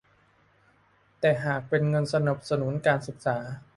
แต่หากเป็นเงินสนับสนุนการศึกษา